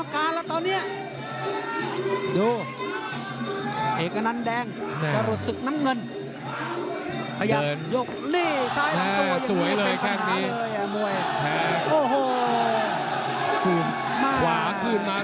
อาการน่าเป็นห่วงแล้วละครับ